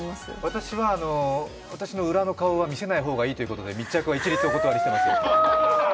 私は私の裏の顔は見せない方がいいということで密着は、一律お断りしています。